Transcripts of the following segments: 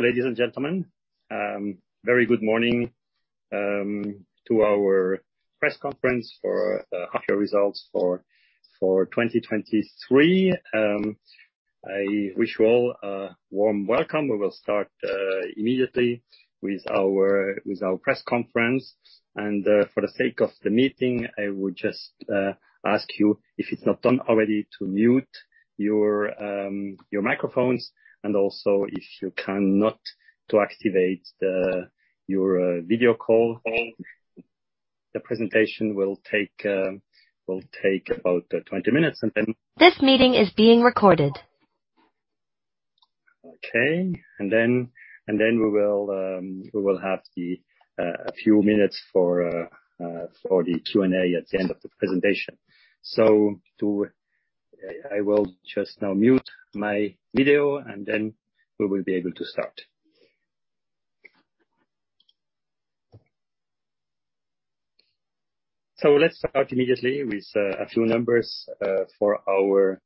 Ladies and gentlemen, very good morning to our press conference for half year results for 2023. I wish you all a warm welcome. We will start immediately with our press conference. For the sake of the meeting, I would just ask you, if it's not done already, to mute your microphones, and also if you cannot, to activate your video call. The presentation will take about 20 minutes, and then. This meeting is being recorded. Okay. Then, we will have a few minutes for the Q&A at the end of the presentation. I will just now mute my video, then we will be able to start. Let's start immediately with a few numbers for our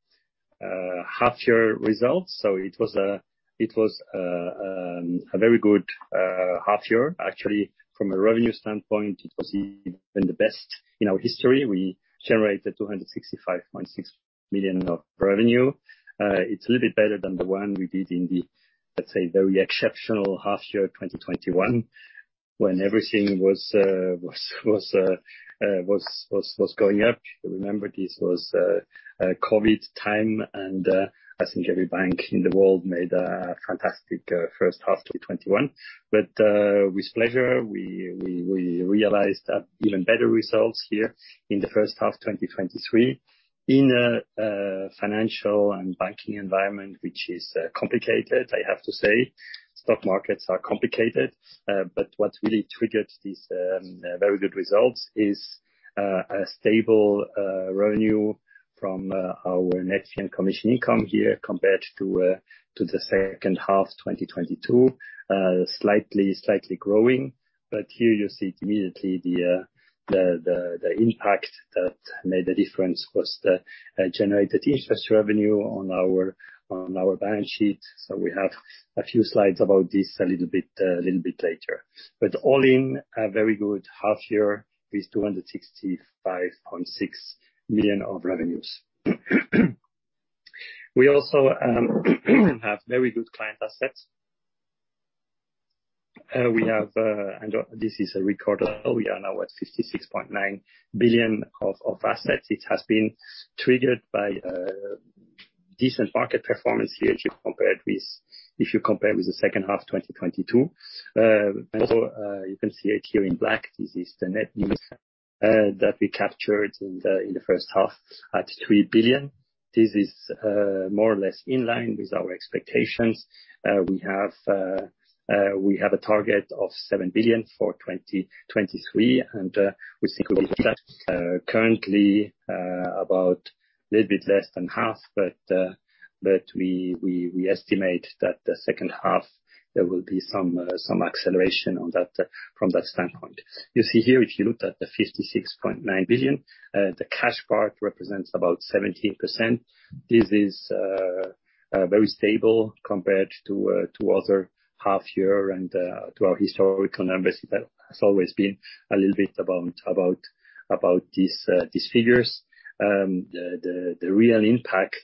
half year results. It was a very good half year. Actually, from a revenue standpoint, it was even the best in our history. We generated 265.6 million of revenue. It's a little bit better than the one we did in the, let's say, very exceptional half year, 2021, when everything was going up. You remember, this was COVID time, and I think every bank in the world made a fantastic first half of 2021. With pleasure, we, we, we realized that even better results here in the first half of 2023, in a financial and banking environment, which is complicated, I have to say. Stock markets are complicated. But what really triggered these very good results is a stable revenue from our net fee and commission income here compared to the second half of 2022. Slightly, slightly growing, but here you see immediately the the the impact that made the difference was the generated interest revenue on our, on our balance sheet. We have a few slides about this a little bit, a little bit later. All in, a very good half year, with 265.6 million of revenues. We also have very good client assets. We have... This is a record. We are now at 66.9 billion of assets. It has been triggered by decent market performance here, if you compared with, if you compare with the second half of 2022. Also, you can see it here in black, this is the net new that we captured in the first half at 3 billion. This is more or less in line with our expectations. We have a target of 7 billion for 2023, and we think we have currently about a little bit less than half. We, we, we estimate that the second half, there will be some acceleration on that, from that standpoint. You see here, if you look at the 56.9 billion, the cash part represents about 17%. This is very stable compared to other half year and to our historical numbers. That has always been a little bit about, about, about these figures. The real impact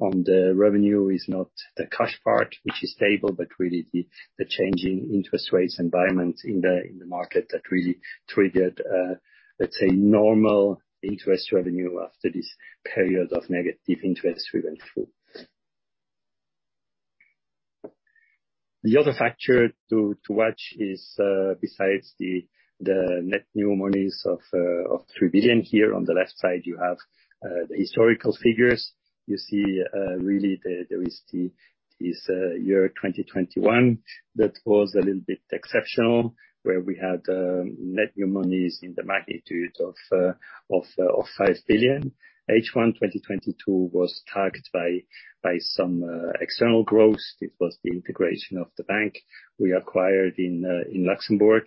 on the revenue is not the cash part, which is stable, but really the change in interest rates environment in the market that really triggered, let's say, normal interest revenue after this period of negative interest driven through. The other factor to, to watch is, besides the, the net new monies of 3 billion, here on the left side, you have the historical figures. You see, really there is the, this, year 2021, that was a little bit exceptional, where we had net new monies in the magnitude of 5 billion. H1 2022 was tagged by, by some external growth. It was the integration of the bank we acquired in Luxembourg.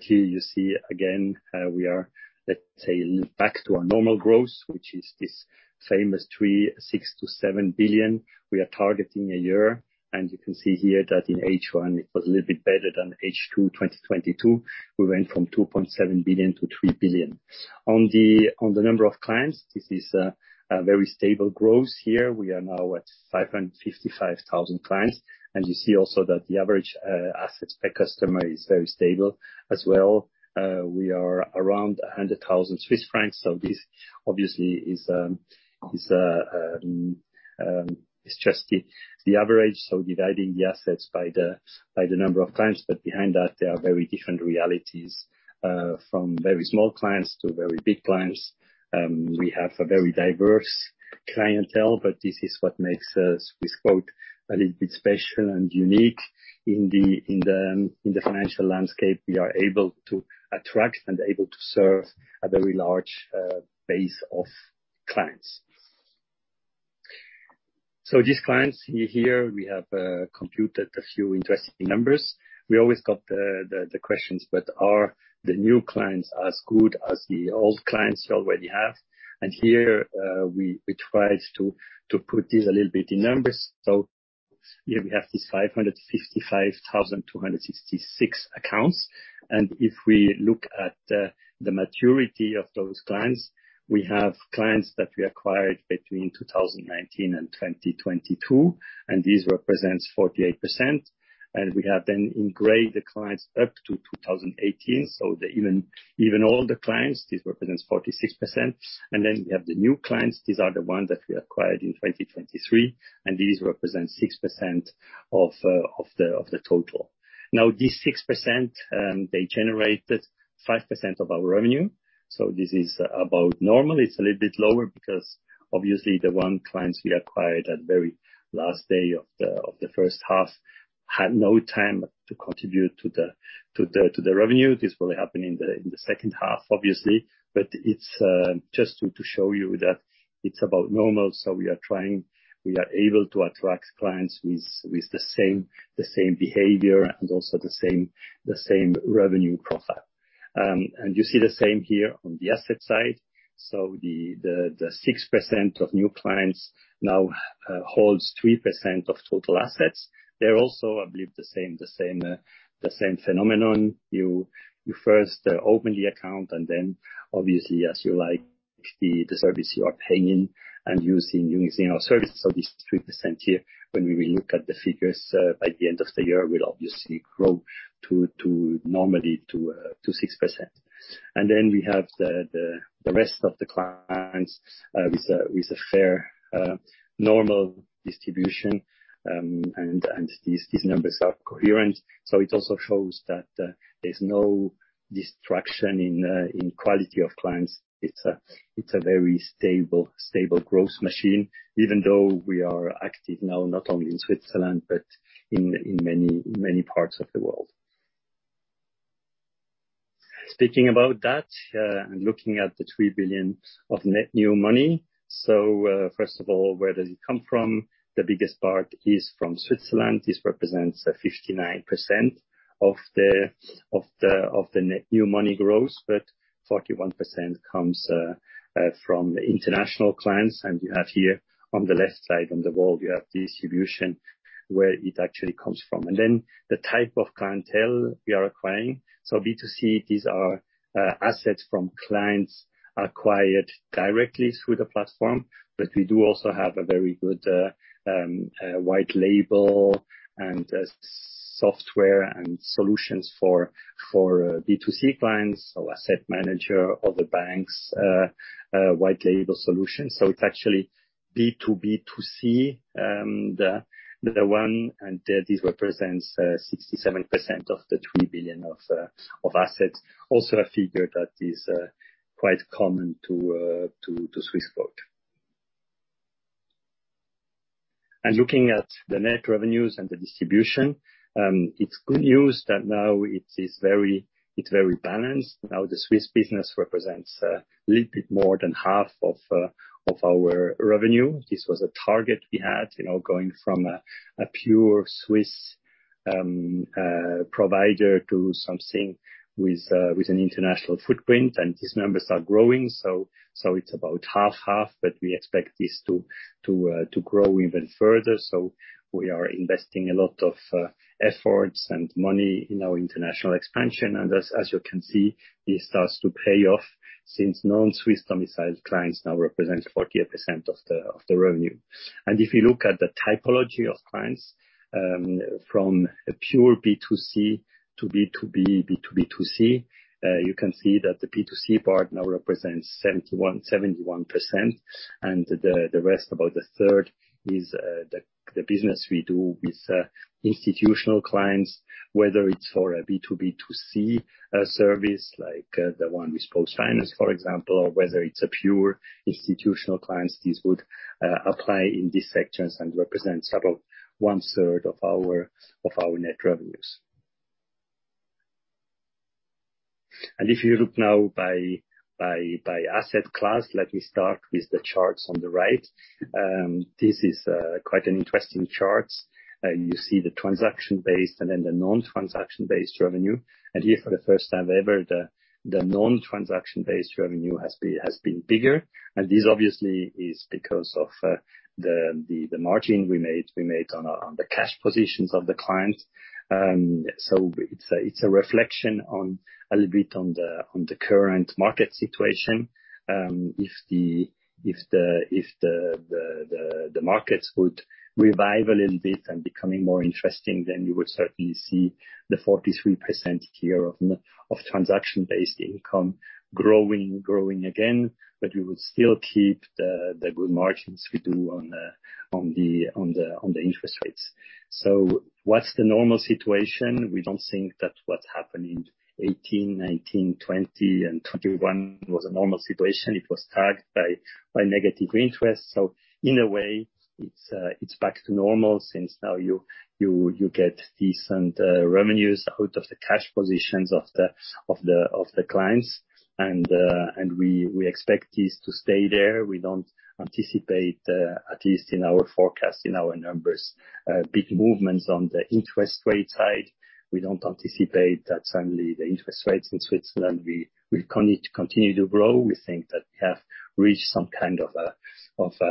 Here you see again, we are, let's say, back to our normal growth, which is this famous 3, 6 billion-7 billion we are targeting a year. You can see here that in H1, it was a little bit better than H2 2022. We went from 2.7 billion to 3 billion. On the number of clients, this is a very stable growth here. We are now at 555,000 clients. You see also that the average assets per customer is very stable as well. We are around 100,000 Swiss francs, so this obviously is just the average, so dividing the assets by the number of clients. Behind that, there are very different realities, from very small clients to very big clients. We have a very diverse clientele, but this is what makes Swissquote a little bit special and unique in the financial landscape. We are able to attract and able to serve a very large base of clients. These clients here, we have computed a few interesting numbers. We always got the questions, "But are the new clients as good as the old clients you already have?" Here we tried to put this a little bit in numbers. Here we have these 555,266 accounts, and if we look at the maturity of those clients, we have clients that we acquired between 2019 and 2022, and this represents 48%. We have then in gray, the clients up to 2018, so the older clients, this represents 46%. Then we have the new clients, these are the ones that we acquired in 2023, and these represent 6% of the total. Now, these 6%, they generated 5% of our revenue, so this is about normal. It's a little bit lower because obviously, the one clients we acquired at very last day of the first half, had no time to contribute to the revenue. This will happen in the second half, obviously, but it's just to show you that it's about normal, so we are able to attract clients with the same, the same behavior and also the same, the same revenue profile. You see the same here on the asset side. The 6% of new clients now holds 3% of total assets. They're also, I believe, the same, the same, the same phenomenon. You first open the account, and then obviously, as you like the service, you are paying and using, using our service. This is 3% here. When we look at the figures, by the end of the year, we'll obviously grow to 6%. Then we have the rest of the clients with a fair normal distribution, and these numbers are coherent. It also shows that there's no distraction in quality of clients. It's a very stable growth machine, even though we are active now, not only in Switzerland, but in many parts of the world. Speaking about that, looking at the 3 billion of net new money, first of all, where does it come from? The biggest part is from Switzerland. This represents 59% of the, of the, of the net new money growth, but 41% comes from the international clients. You have here on the left side, on the world, you have the distribution where it actually comes from. Then the type of clientele we are acquiring. B2C, these are assets from clients acquired directly through the platform, but we do also have a very good white label and software and solutions for, for B2C clients, so asset manager or the banks, white label solution. It's actually B2B, B2C, the, the one, and this represents 67% of the 3 billion of assets. Also a figure that is quite common to, to, to Swissquote. Looking at the net revenues and the distribution, it's good news that now it is very balanced. Now, the Swiss business represents little bit more than half of our revenue. This was a target we had, you know, going from a pure Swiss provider to something with an international footprint, and these numbers are growing, so it's about half-half, but we expect this to grow even further. We are investing a lot of efforts and money in our international expansion. As you can see, this starts to pay off, since non-Swiss domiciled clients now represent 48% of the revenue. If you look at the typology of clients, from a pure B2C to B2B, B2B, B2C, you can see that the B2C part now represents 71, 71%, and the, the rest, about a third, is the, the business we do with institutional clients, whether it's for a B2B, B2C service, like the one with PostFinance, for example, or whether it's a pure institutional clients, this would apply in these sections and represent about one-third of our, of our net revenues. If you look now by, by, by asset class, let me start with the charts on the right. This is quite an interesting chart. You see the transaction-based and then the non-transaction-based revenue. Here, for the first time ever, the non-transaction-based revenue has been bigger, and this obviously is because of the margin we made, we made on the cash positions of the client. It's a reflection on a little bit on the current market situation. If the markets would revive a little bit and becoming more interesting, then you would certainly see the 43% here of transaction-based income growing, growing again, but we would still keep the good margins we do on the interest rates. What's the normal situation? We don't think that what happened in 2018, 2019, 2020 and 2021 was a normal situation. It was tagged by negative interest. In a way, it's, it's back to normal since now you, you, you get decent revenues out of the cash positions of the, of the, of the clients, and we, we expect this to stay there. We don't anticipate, at least in our forecast, in our numbers, big movements on the interest rate side. We don't anticipate that suddenly the interest rates in Switzerland will continue to grow. We think that we have reached some kind of a,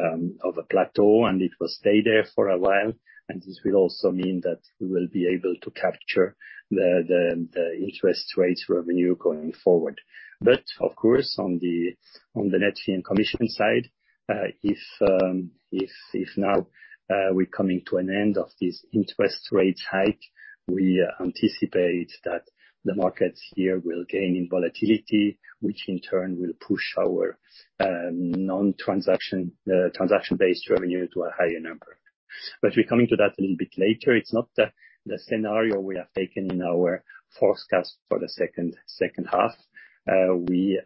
of a plateau, and it will stay there for a while, and this will also mean that we will be able to capture the, the, the interest rates revenue going forward. Of course, on the net fee and commission side, if now, we're coming to an end of this interest rate hike, we anticipate that the markets here will gain in volatility, which in turn will push our non-transaction, transaction-based revenue to a higher number. We're coming to that a little bit later. It's not the scenario we have taken in our forecast for the second half. We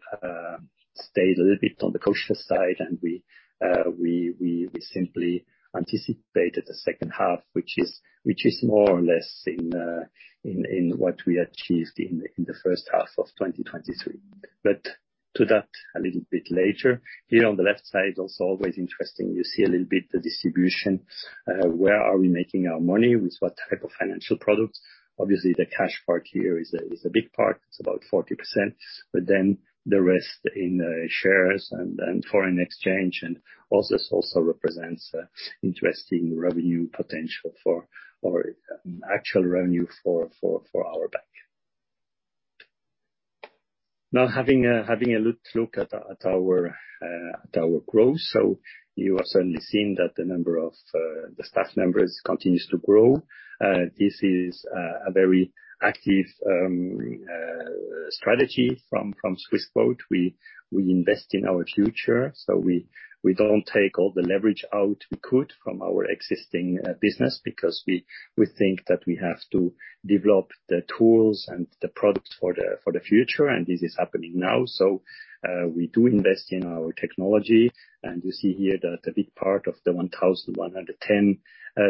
stayed a little bit on the cautious side, and we simply anticipated the second half, which is more or less in what we achieved in the first half of 2023. To that a little bit later. Here on the left side, also always interesting, you see a little bit the distribution, where are we making our money? With what type of financial products? Obviously, the cash part here is a big part. It's about 40%, but then the rest in shares and foreign exchange, and also, this also represents interesting revenue potential or actual revenue for our bank. Now, having a look at our growth, you are certainly seeing that the number of the staff members continues to grow. This is a very active strategy from Swissquote. We, we invest in our future, so we, we don't take all the leverage out we could from our existing business because we, we think that we have to develop the tools and the products for the, for the future, and this is happening now. We do invest in our technology, and you see here that a big part of the 1,110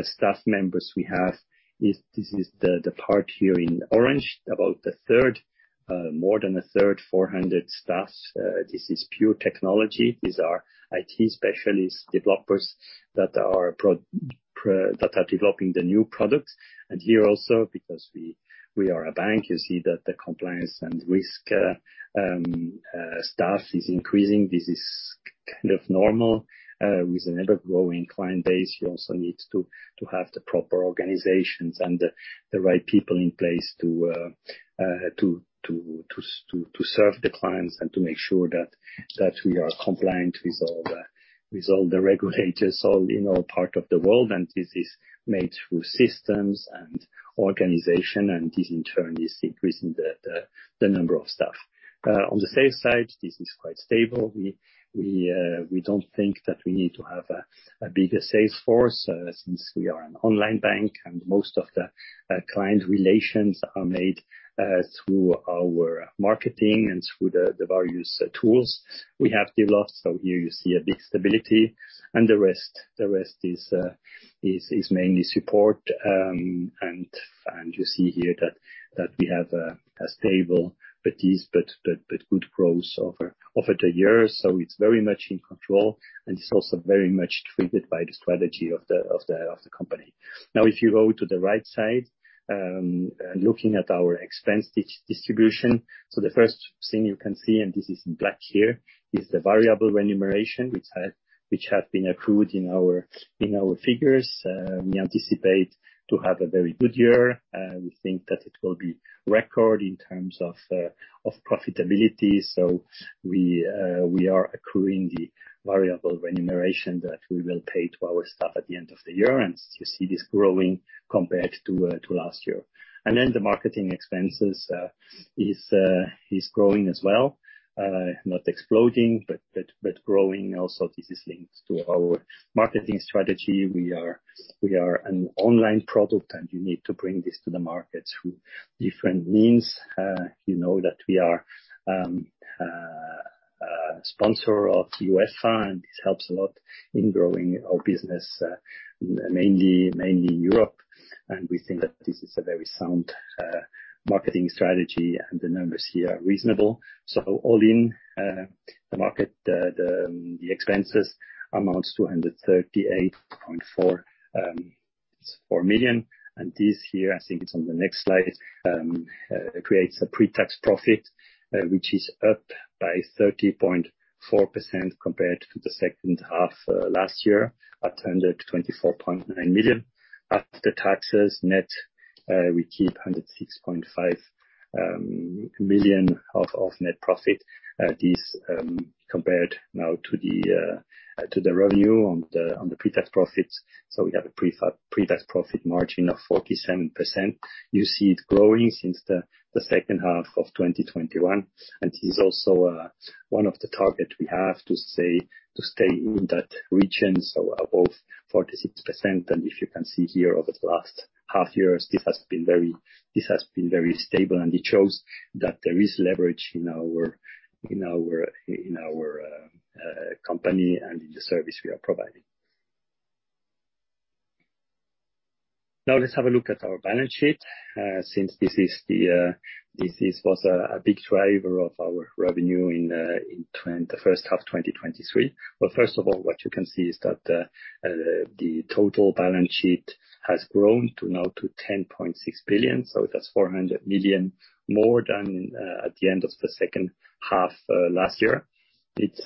staff members we have. This is the, the part here in orange, about a third, more than a third, 400 staff. This is pure technology. These are IT specialist developers that are developing the new products. Here also, because we, we are a bank, you see that the compliance and risk staff is increasing. This is kind of normal. With another growing client base, you also need to have the proper organizations and the right people in place to serve the clients and to make sure that we are compliant with all the regulators, all in all part of the world. This is made through systems and organization, and this, in turn, is increasing the number of staff. On the sales side, this is quite stable. We don't think that we need to have a bigger sales force, since we are an online bank and most of the client relations are made through our marketing and through the various tools we have developed. Here you see a big stability, and the rest, the rest is mainly support. You see here that we have a stable but is good growth over the years. It's very much in control, and it's also very much driven by the strategy of the company. If you go to the right side, looking at our expense distribution, so the first thing you can see, and this is in black here, is the variable remuneration, which had been accrued in our figures. We anticipate to have a very good year. We think that it will be record in terms of profitability, so we are accruing the variable remuneration that we will pay to our staff at the end of the year, and you see this growing compared to last year. The marketing expenses is growing as well, not exploding, but, but, but growing. Also, this is linked to our marketing strategy. We are, we are an online product, and you need to bring this to the market through different means. You know that we are a sponsor of UEFA, and this helps a lot in growing our business, mainly, mainly in Europe. We think that this is a very sound marketing strategy, and the numbers here are reasonable. All in, the market, the, the, the expenses amounts to 138.4 million, and this here, I think it's on the next slide, creates a pre-tax profit, which is up by 30.4% compared to the second half last year, at 124.9 million. After taxes, net, we keep 106.5 million of net profit. This compared now to the revenue on the pre-tax profits. We have a pre-tax profit margin of 47%. You see it growing since the second half of 2021, and this is also one of the targets we have to say, to stay in that region, so above 46%. If you can see here, over the last half years, this has been very stable, and it shows that there is leverage in our company and in the service we are providing. Let's have a look at our balance sheet. This was a big driver of our revenue in the first half, 2023. Well, first of all, what you can see is that the total balance sheet has grown to now to 10.6 billion, so that's 400 million more than at the end of the second half, last year. It's...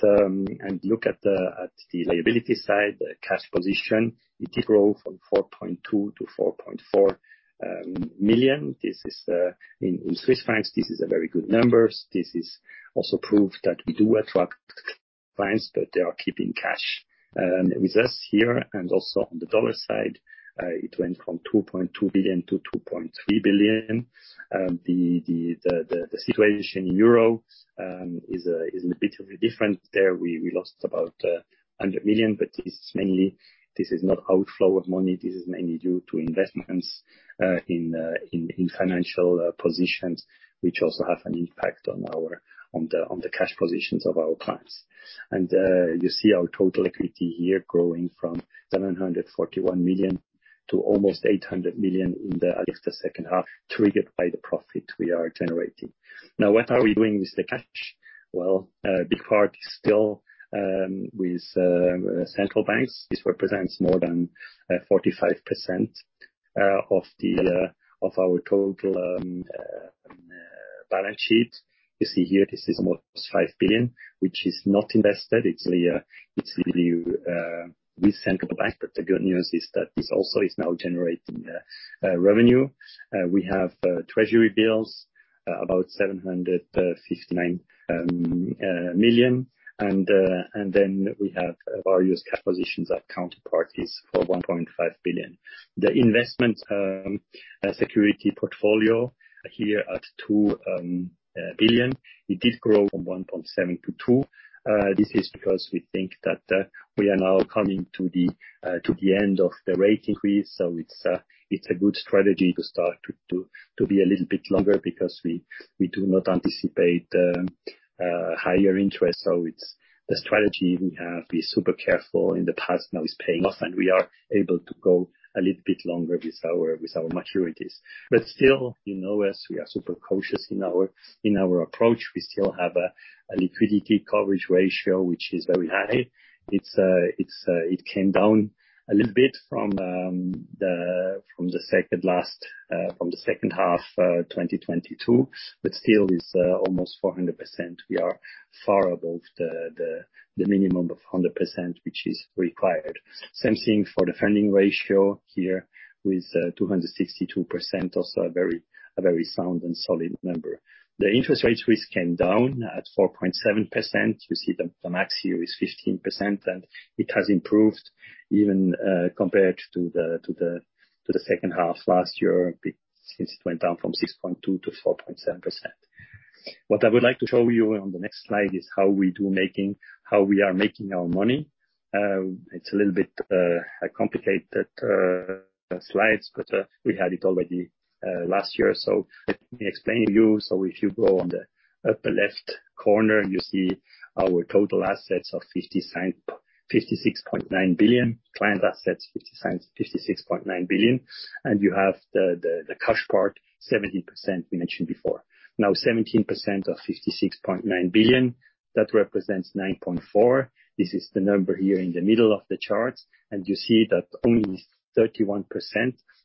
Look at the liability side, the cash position, it did grow from 4.2 million to 4.4 million. This is in Swiss francs, this is a very good number. This is also proof that we do attract clients, but they are keeping cash with us here and also on the dollar side, it went from $2.2 billion to $2.3 billion. The situation in Europe is a bit different. There, we, we lost about 100 million, this is mainly this is not outflow of money. This is mainly due to investments in financial positions, which also have an impact on our, on the, on the cash positions of our clients. You see our total equity here growing from 741 million to almost 800 million in the at least the second half, triggered by the profit we are generating. Now, what are we doing with the cash? Well, a big part is still with central banks. This represents more than 45% of the of our total balance sheet. You see here, this is almost 5 billion, which is not invested, it's really with central bank. The good news is that this also is now generating revenue. We have treasury bills, about 759 million. Then we have various cash positions at counterparties for 1.5 billion. The investment security portfolio here at 2 billion, it did grow from 1.7 billion to 2 billion. This is because we think that we are now coming to the end of the rate increase, so it's a good strategy to start to be a little bit longer because we do not anticipate higher interest. It's the strategy we have. Be super careful in the past, now it's paying off, and we are able to go a little bit longer with our maturities. Still, you know us, we are super cautious in our approach. We still have a liquidity coverage ratio, which is very high. It came down a little bit from the second half, 2022, but still is almost 400%. We are far above the minimum of 100%, which is required. Same thing for the funding ratio here, with 262%. Also a very sound and solid number. The interest rate risk came down at 4.7%. You see the max here is 15%, and it has improved even compared to the second half last year, since it went down from 6.2% to 4.7%. What I would like to show you on the next slide is how we are making our money. It's a little bit complicated slides, but we had it already last year, so let me explain to you. If you go on the upper left corner, you see our total assets of 56.9 billion. Client assets, 56.9 billion, and you have the cash part, 17% we mentioned before. 17% of 56.9 billion, that represents 9.4 billion. This is the number here in the middle of the chart, and you see that only 31%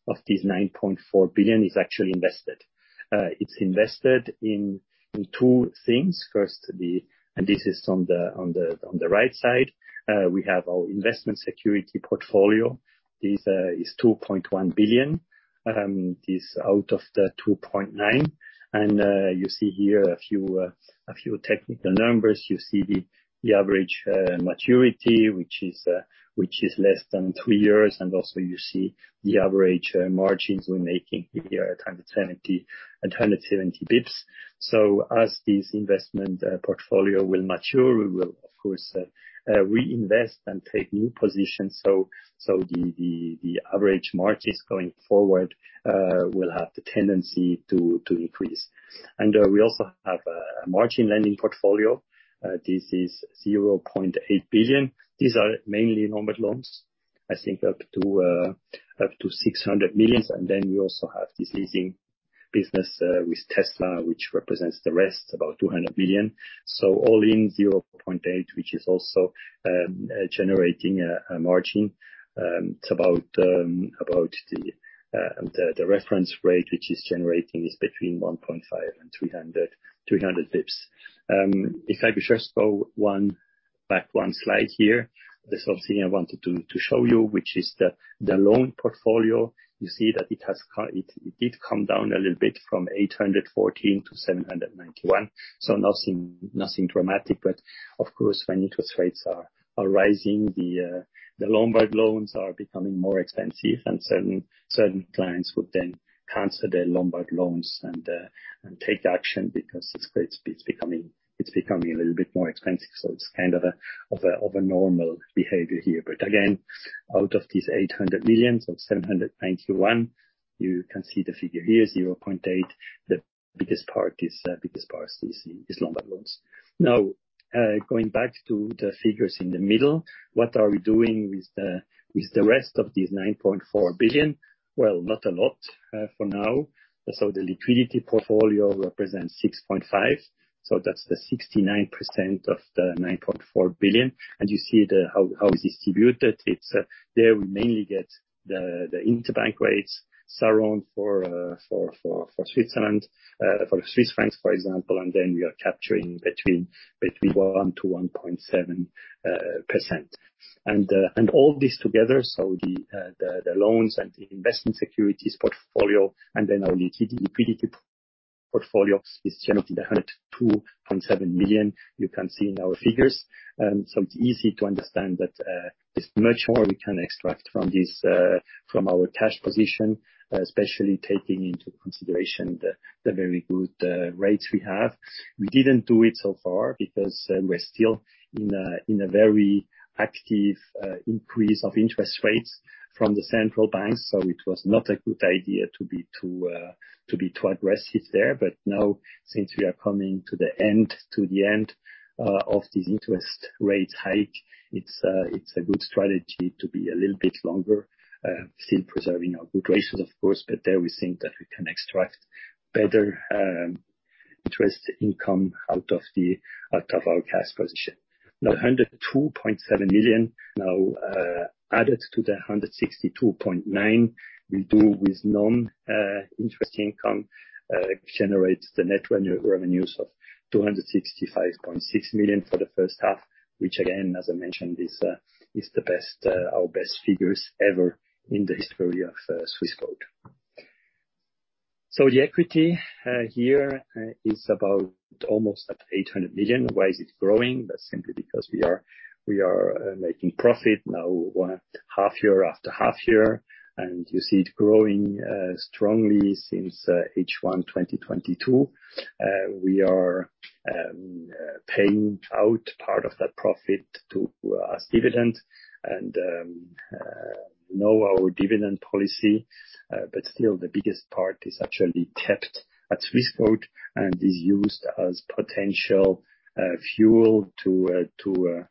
of this 9.4 billion is actually invested. It's invested in two things. First, the and this is on the, on the, on the right side, we have our investment security portfolio. This is 2.1 billion, this out of the 2.9. You see here a few technical numbers. You see the average maturity, which is less than two years. Also you see the average margins we're making here at 170 basis points. As this investment portfolio will mature, we will of course reinvest and take new positions, so the average margins going forward will have the tendency to increase. We also have a margin lending portfolio. This is 0.8 billion. These are mainly Lombard loans, I think up to 600 million. Then we also have this leasing business with Tesla, which represents the rest, about 200 million. All in 0.8, which is also generating a margin. It's about about the reference rate, which is generating, is between 1.5 and 300, 300 basis points. If I could just go one, back one slide here. There's something I wanted to, to show you, which is the, the loan portfolio. You see that it has, it, it did come down a little bit from 814 to 791. Nothing, nothing dramatic, but of course, when interest rates are, are rising, the, the Lombard loans are becoming more expensive, and certain, certain clients would then cancel their Lombard loans and, and take action because it's, it's becoming, it's becoming a little bit more expensive. It's kind of a, of a, of a normal behavior here. Again, out of these 800 million, so 791, you can see the figure here, 0.8. The biggest part is, biggest part is, is Lombard loans. Now, going back to the figures in the middle, what are we doing with the rest of these 9.4 billion? Well, not a lot for now. The liquidity portfolio represents 6.5 billion, so that's the 69% of the 9.4 billion. You see how, how it's distributed. It's there, we mainly get the interbank rates, SARON for Switzerland, for Swiss francs, for example, and then we are capturing between 1%-1.7%. All this together, so the loans and the investment securities portfolio, and then our liquidity portfolio is generated 102.7 million, you can see in our figures. It's easy to understand that there's much more we can extract from this from our cash position, especially taking into consideration the very good rates we have. We didn't do it so far because we're still in a very active increase of interest rates from the central bank, so it was not a good idea to be too to be too aggressive there. Now, since we are coming to the end, to the end of this interest rate hike, it's a good strategy to be a little bit longer, still preserving our good ratios, of course, but there we think that we can extract better interest income out of the- out of our cash position. The 102.7 million now, added to the 162.9 million we do with non-interest income, generates the net revenues of 265.6 million for the first half, which again, as I mentioned, is the best, our best figures ever in the history of Swissquote. The equity here is about almost at 800 million. Why is it growing? That's simply because we are making profit now, one half year after half year, and you see it growing strongly since H1 2022. We are paying out part of that profit to as dividend and you know our dividend policy, but still, the biggest part is actually kept at Swissquote and is used as potential fuel to to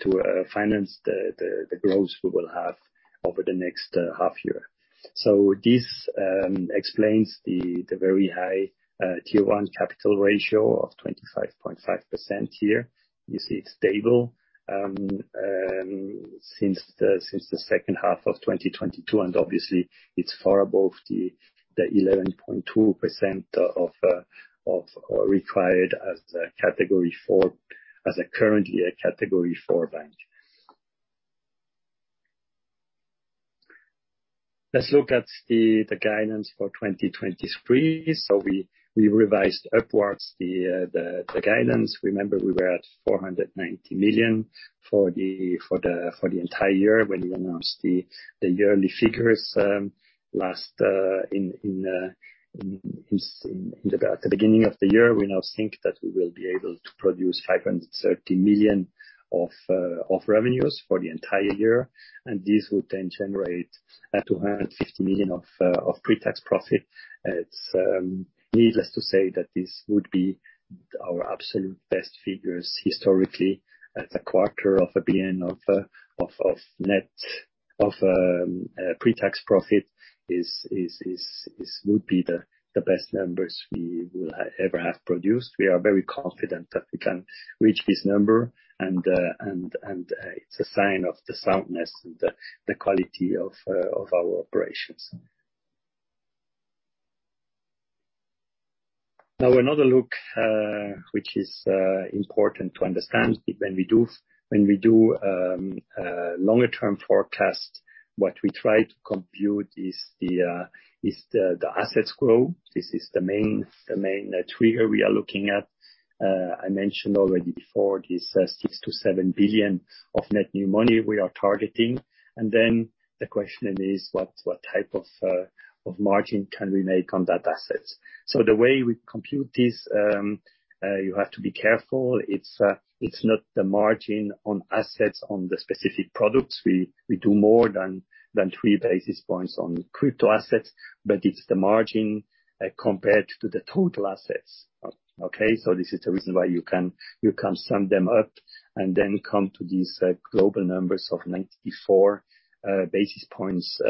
to finance the the the growth we will have over the next half year. This explains the the very high Tier 1 capital ratio of 25.5% here. You see it's stable since the since the second half of 2022, and obviously it's far above the the 11.2% of of required as a Category 4, as a currently a Category 4 bank. Let's look at the the guidance for 2023. We we revised upwards the the guidance. Remember, we were at 490 million for the entire year when we announced the yearly figures last in the beginning of the year. We now think that we will be able to produce 530 million of revenues for the entire year, and this will then generate 250 million of pre-tax profit. It's needless to say that this would be our absolute best figures historically, at 250 million of pre-tax profit, is would be the best numbers we will ever have produced. We are very confident that we can reach this number, it's a sign of the soundness and the quality of our operations. Now, another look, which is important to understand when we do, when we do a longer-term forecast, what we try to compute is the assets growth. This is the main, the main trigger we are looking at. I mentioned already before, this 6 billion-7 billion of net new monies we are targeting. Then the question is, what, what type of margin can we make on that assets? The way we compute this, you have to be careful. It's not the margin on assets on the specific products. We, we do more than 3 basis points on crypto assets, but it's the margin compared to the total assets. This is the reason why you can, you can sum them up and then come to these global numbers of 94 basis points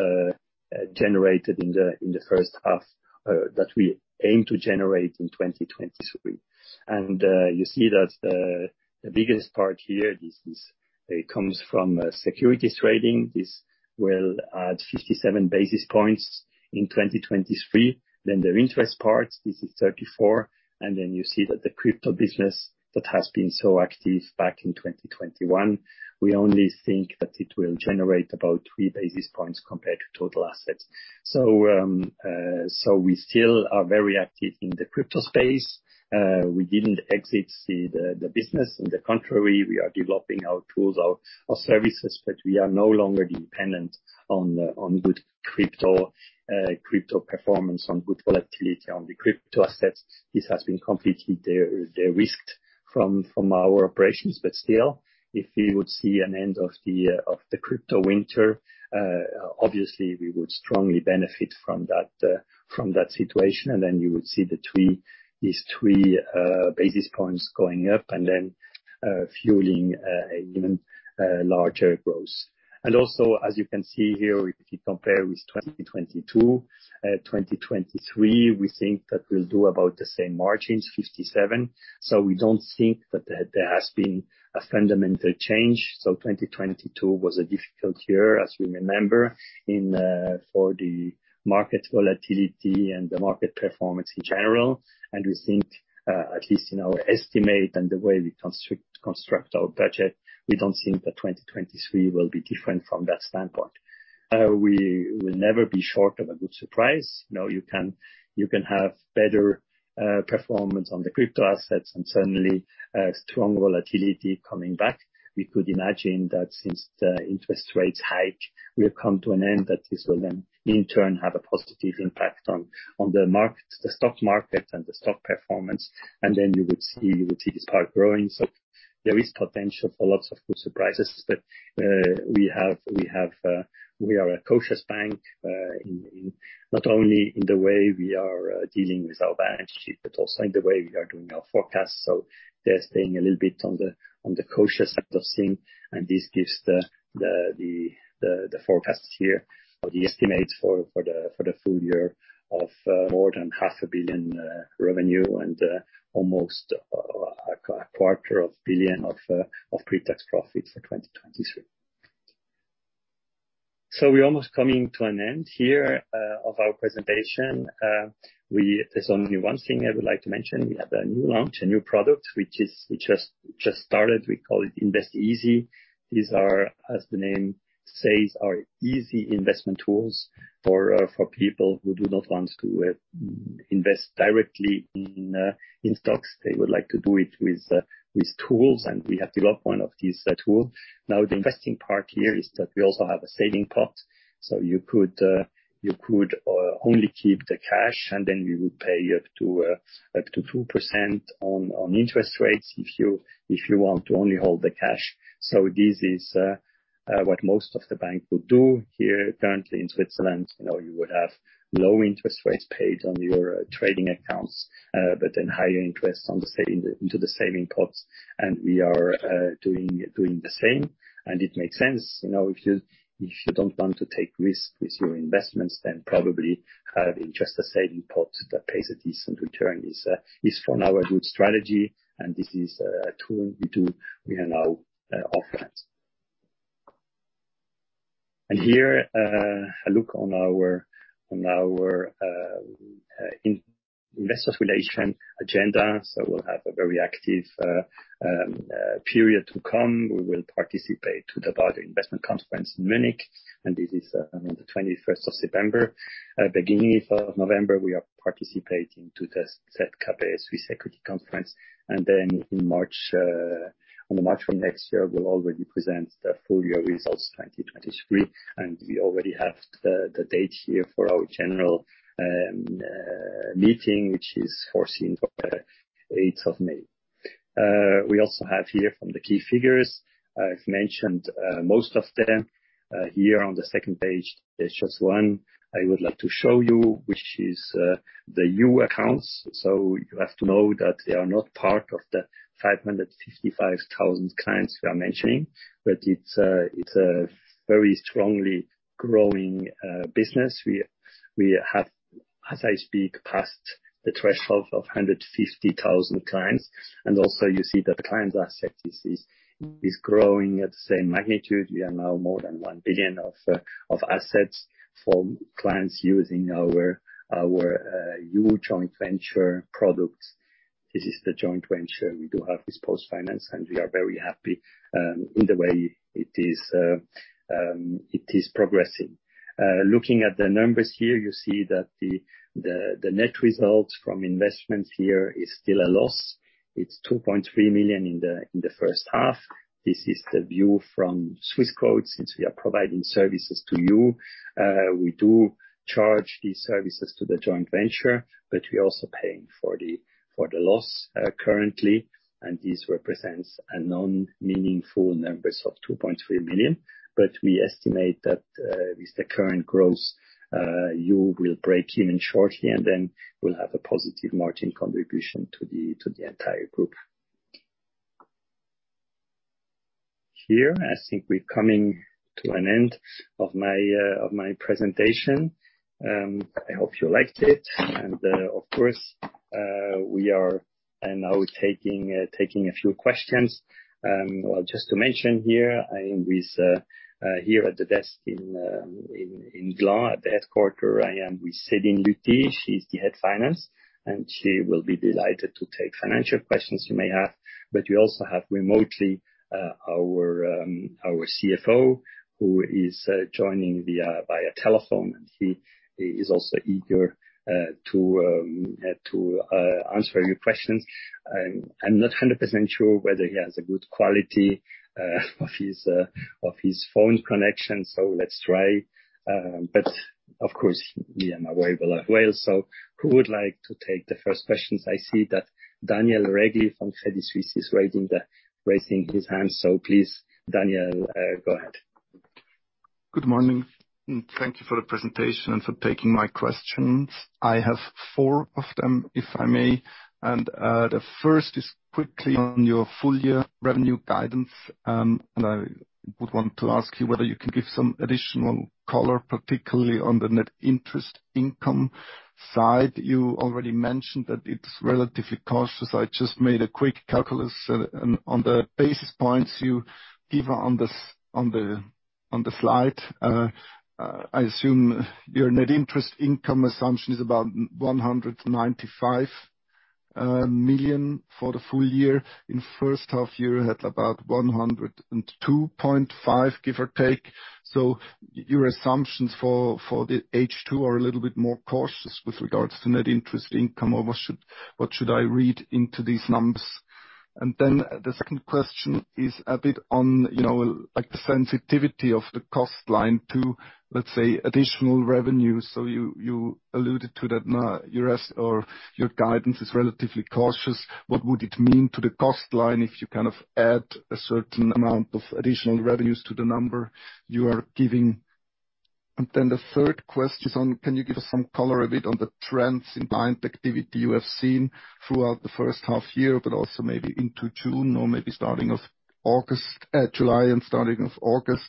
generated in the first half that we aim to generate in 2023. You see that the biggest part here, this is comes from securities trading. This will add 57 basis points in 2023. The interest part, this is 34. You see that the crypto business that has been so active back in 2021, we only think that it will generate about 3 basis points compared to total assets. We still are very active in the crypto space. We didn't exit the business. On the contrary, we are developing our tools, our, our services, but we are no longer dependent on good crypto crypto performance, on good volatility on the crypto assets. This has been completely de-risked from, from our operations, but still, if we would see an end of the crypto winter, obviously, we would strongly benefit from that from that situation, and then you would see the 3, these 3 basis points going up and then fueling an even larger growth. Also, as you can see here, if you compare with 2022, 2023, we think that we'll do about the same margins, 57. We don't think that there has been a fundamental change. 2022 was a difficult year, as we remember, in for the market volatility and the market performance in general. We think, at least in our estimate and the way we construct our budget, we don't think that 2023 will be different from that standpoint. We will never be short of a good surprise. You know, you can, you can have better performance on the crypto assets and suddenly a strong volatility coming back. We could imagine that since the interest rates hike will come to an end, that this will then, in turn, have a positive impact on, on the market, the stock market, and the stock performance, and then you would see, you would see this part growing. There is potential for lots of good surprises, but we are a cautious bank, not only in the way we are dealing with our balance sheet, but also in the way we are doing our forecasts. They're staying a little bit on the cautious side of things, and this gives the forecasts here or the estimates for the full year of more than 500 million revenue and almost 250 million of pre-tax profit for 2023. We're almost coming to an end here of our presentation. There's only one thing I would like to mention. We have a new launch, a new product, which just started. We call it Invest Easy. These are, as the name says, are easy investment tools for people who do not want to invest directly in stocks. They would like to do it with tools, and we have developed one of these tool. The interesting part here is that we also have a saving pot, so you could, you could only keep the cash, and then we would pay you up to up to 2% on, on interest rates if you, if you want to only hold the cash. This is what most of the bank would do here currently in Switzerland. You know, you would have low interest rates paid on your trading accounts, but then higher interest into the saving pots. We are doing, doing the same, and it makes sense. You know, if you, if you don't want to take risk with your investments, then probably have it in just a saving pot that pays a decent return is for now a good strategy, and this is a tool we do, we are now offering. Here, a look on our, on our investors relation agenda. We'll have a very active period to come. We will participate to the Baader Investment Conference in Munich, and this is on the 21st of September. Beginning of November, we are participating to the ZKB Swiss Equity Conference, and then in March, on the March of next year, we'll already present the full year results, 2023, and we already have the date here for our general meeting, which is foreseen for the 8th of May. We also have here from the key figures. I've mentioned most of them. Here on the second page, there's just one I would like to show you, which is the Yuh accounts. You have to know that they are not part of the 555,000 clients we are mentioning, but it's a, it's a very strongly growing business. We, we have, as I speak, passed the threshold of 150,000 clients, and also you see the clients' asset is, is, is growing at the same magnitude. We are now more than 1 billion of assets for clients using our, our Yuh joint venture products. This is the joint venture. We do have this PostFinance, and we are very happy in the way it is progressing. Looking at the numbers here, you see that the net results from investments here is still a loss. It's 2.3 million in the first half. This is the view from Swissquote, since we are providing services to you. We do charge these services to the joint venture, but we're also paying for the loss currently, and this represents a non-meaningful numbers of 2.3 million. We estimate that with the current growth, you will break even shortly, and then we'll have a positive margin contribution to the entire Group. Here, I think we're coming to an end of my presentation. I hope you liked it and of course, we are now taking a few questions. Well, just to mention here, I am with here at the desk in Gland, at the headquarter, I am with Céline Lüthi. She's the Head of Finance, she will be delighted to take financial questions you may have. We also have remotely our CFO, who is joining via telephone. He is also eager to answer your questions. I'm not 100% sure whether he has a good quality of his phone connection, so let's try. Of course, we are available as well. Who would like to take the first questions? I see that Daniel Regli from Zürcher Kantonalbank is raising his hand, please, Daniel, go ahead. Good morning, thank you for the presentation and forDaniel Regli from Zürcher Kantonalbank taking my questions. I have four of them, if I may. The first is quickly on your full year revenue guidance. I would want to ask you whether you can give some additional color, particularly on the net interest income side. You already mentioned that it's relatively cautious. I just made a quick calculus on the basis points you give on the slide. I assume your net interest income assumption is about 195 million for the full year. In first half year, you had about 102.5, give or take. Your assumptions for, for the H2 are a little bit more cautious with regards to net interest income, or what should, what should I read into these numbers? The second question is a bit on, you know, like, the sensitivity of the cost line to, let's say, additional revenue. You alluded to that now your rest or your guidance is relatively cautious. What would it mean to the cost line if you kind of add a certain amount of additional revenues to the number you are giving? The third question is on, can you give us some color a bit on the trends in client activity you have seen throughout the first half year, but also maybe into June or maybe starting of August, July and starting of August?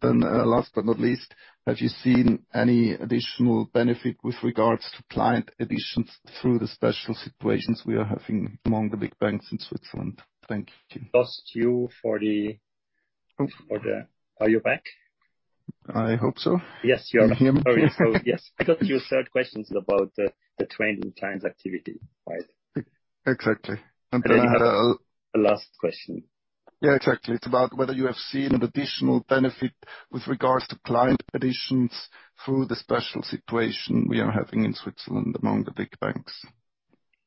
Then, last but not least, have you seen any additional benefit with regards to client additions through the special situations we are having among the big banks in Switzerland? Thank you. Just you... Are you back? I hope so. Yes, you are. Yes, I got your third question about the trending clients activity, right? Exactly. The last question. Yeah, exactly. It's about whether you have seen an additional benefit with regards to client additions through the special situation we are having in Switzerland among the big banks.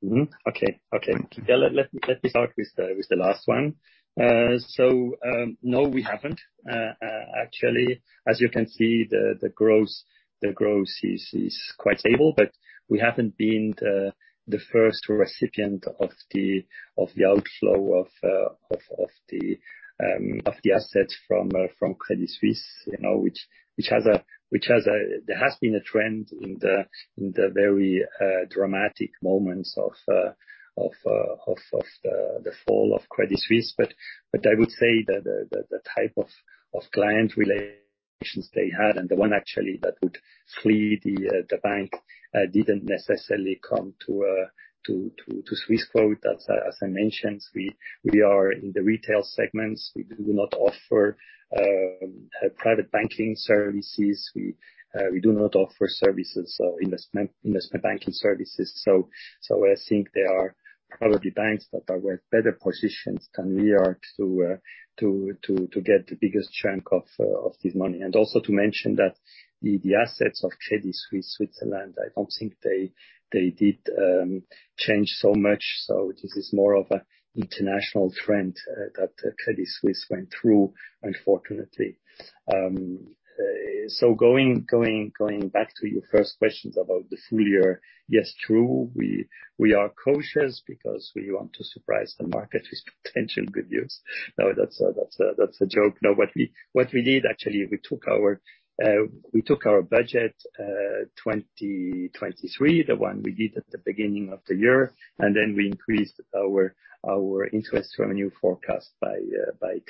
Mm-hmm. Okay, okay. Yeah, let me, let me start with the, with the last one. No, we haven't. Actually, as you can see, the growth, the growth is quite stable, but we haven't been the first recipient of the outflow of the assets from Credit Suisse, you know, which has a- There has been a trend in the very dramatic moments of the fall of Credit Suisse. But I would say the type of client relations they had and the one actually that would flee the bank didn't necessarily come to Swissquote. As I mentioned, we are in the retail segments. We do not offer private banking services. We do not offer services, investment, investment banking services. So I think there are probably banks that are way better positioned than we are to, to, to, to get the biggest chunk of this money. Also to mention that the, the assets of Credit Suisse, Switzerland, I don't think they, they did change so much. This is more of an international trend that Credit Suisse went through, unfortunately. Going, going, going back to your first questions about the full year, yes, true, we, we are cautious because we want to surprise the market with potential good news. No, that's a, that's a, that's a joke. No, what we, what we did, actually, we took our, we took our budget, 2023, the one we did at the beginning of the year. Then we increased our, our interest revenue forecast by 10%.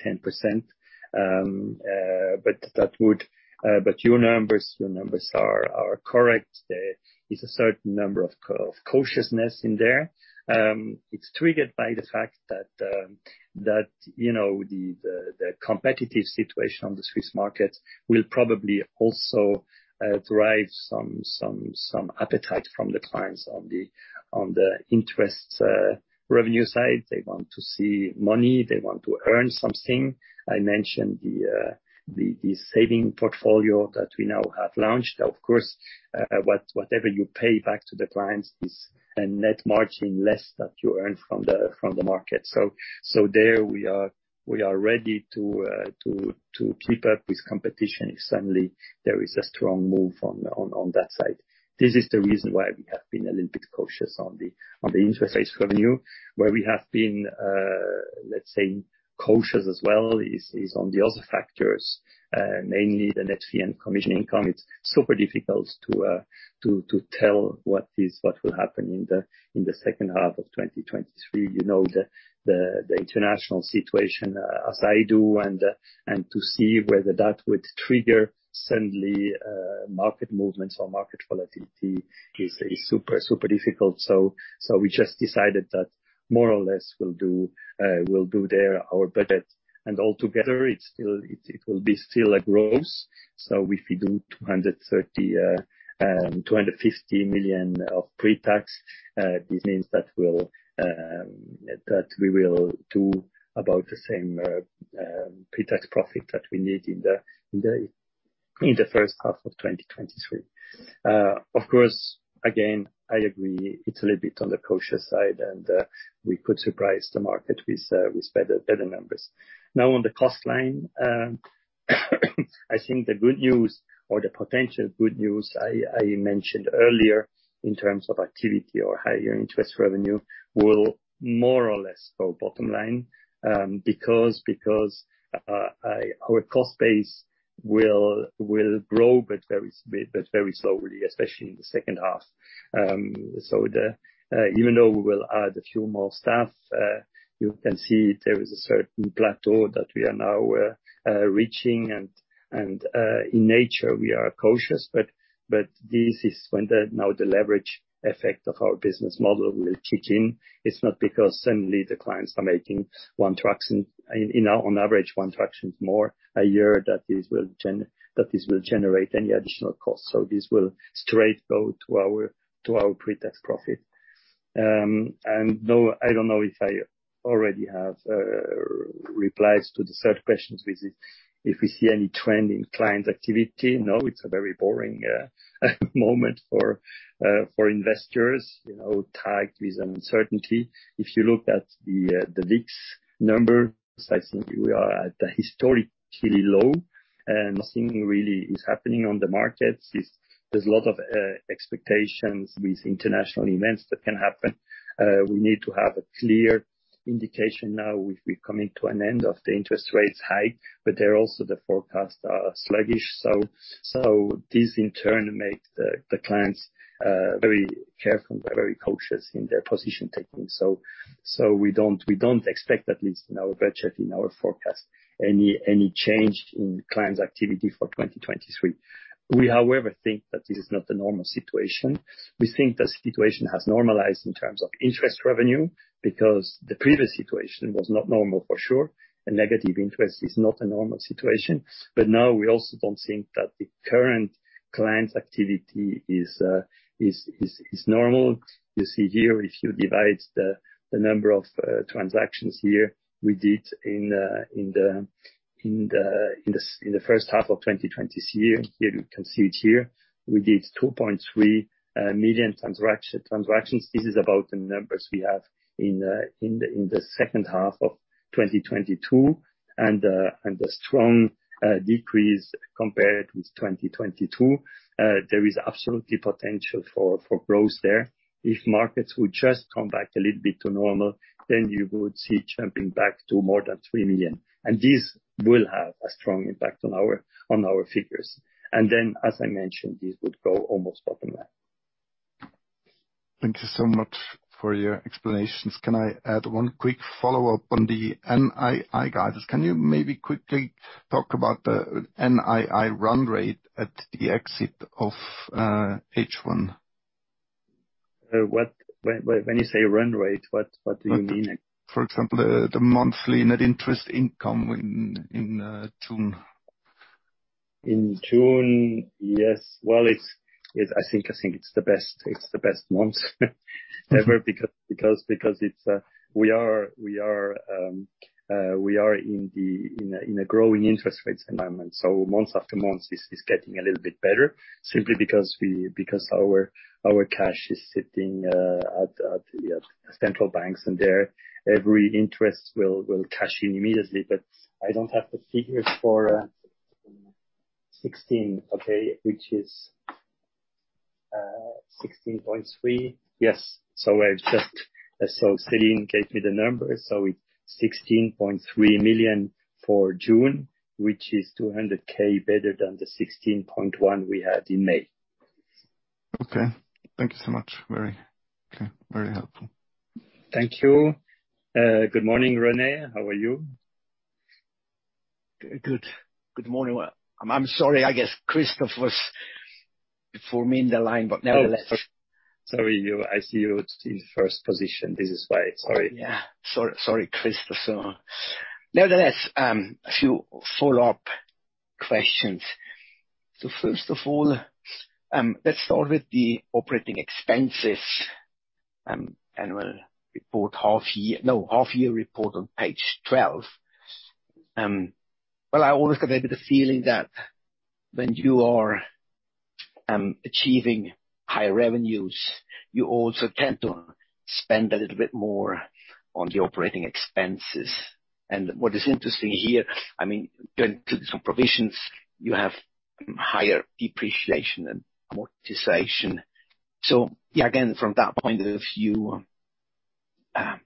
That would, but your numbers, your numbers are, are correct. There is a certain number of cautiousness in there. It's triggered by the fact that, you know, the, the, the competitive situation on the Swiss market will probably also, drive some, some, some appetite from the clients on the, on the interest, revenue side. They want to see money. They want to earn something. I mentioned the, the, the saving portfolio that we now have launched. Of course, whatever you pay back to the clients is a net margin less that you earn from the, from the market. There we are, we are ready to, to keep up with competition if suddenly there is a strong move on, on that side. This is the reason why we have been a little bit cautious on the, on the interest revenue. Where we have been, let's say, cautious as well, is, is on the other factors, mainly the net fee and commission income. It's super difficult to, to tell what will happen in the, in the second half of 2023. You know, the, the, the international situation, as I do, and to see whether that would trigger suddenly, market movements or market volatility is, is super, super difficult. We just decided that more or less we'll do, we'll do there our budget. Altogether, it's still, it, it will be still a growth. If we do 230 million-250 million of pre-tax, this means that we'll that we will do about the same pre-tax profit that we made in the, in the, in the first half of 2023. Of course, again, I agree, it's a little bit on the cautious side, and we could surprise the market with better, better numbers. On the cost line, I think the good news or the potential good news I, I mentioned earlier in terms of activity or higher interest revenue will more or less go bottom line, because, because, our cost base will, will grow, but very but very slowly, especially in the second half. The, even though we will add a few more staff, you can see there is a certain plateau that we are now reaching, and, and, in nature, we are cautious, but, but this is when the, now the leverage effect of our business model will kick in. It's not because suddenly the clients are making 1 transaction, in, in, on average, 1 transactions more a year, that this will generate any additional cost. This will straight go to our, to our pre-tax profit. And no, I don't know if I already have replies to the third questions, which is if we see any trend in client activity. No, it's a very boring moment for investors, you know, tagged with uncertainty. If you look at the the VIX numbers, I think we are at a historically low, and nothing really is happening on the market. There's, there's a lot of expectations with international events that can happen. We need to have a clear-... indication now, we've, we're coming to an end of the interest rates hike, but there also the forecast are sluggish. So this in turn makes the, the clients very careful and very cautious in their position taking. We don't, we don't expect, at least in our budget, in our forecast, any, any change in clients' activity for 2023. We, however, think that this is not the normal situation. We think the situation has normalized in terms of interest revenue, because the previous situation was not normal for sure, and negative interest is not a normal situation. Now we also don't think that the current client activity is normal. You see here, if you divide the number of transactions here, we did in the first half of 2020 this year. Here, you can see it here. We did 2.3 million transactions. This is about the numbers we have in the second half of 2022, and a strong decrease compared with 2022. There is absolutely potential for, for growth there. If markets would just come back a little bit to normal, then you would see jumping back to more than 3 million, and this will have a strong impact on our, on our figures. Then, as I mentioned, this would go almost up on that. Thank you so much for your explanations. Can I add one quick follow-up on the NII guidance? Can you maybe quickly talk about the NII run rate at the exit of H1? What, when, when, when you say run rate, what, what do you mean? For example, the monthly net interest income in June. In June, yes. Well, I think, I think it's the best, it's the best month ever, because, because it's, we are, we are in a growing interest rates environment. Month after month, this is getting a little bit better, simply because our cash is sitting at, yeah, central banks, and there, every interest will cash in immediately. I don't have the figures for... 16, okay, which is 16.3. Yes. Celine gave me the numbers, so it's 16.3 million for June, which is 200K better than the 16.1 million we had in May. Okay. Thank you so much. Very, okay, very helpful. Thank you. Good morning, René. How are you? Good. Good morning. Well, I'm, I'm sorry, I guess Christophe was before me in the line, but nevertheless. Sorry, you... I see you in first position. This is why. Sorry. Yeah. Sorry, sorry, Christophe. Nevertheless, a few follow-up questions. First of all, let's start with the operating expenses, annual report, half year... No, half year report on page 12. Well, I always get a little bit the feeling that when you are achieving high revenues, you also tend to spend a little bit more on the operating expenses. What is interesting here, I mean, going to some provisions, you have higher depreciation than amortization. Yeah, again, from that point of view, yeah,